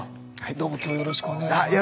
どうも今日よろしくお願いします。